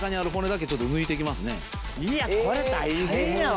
いやこれ大変やわ！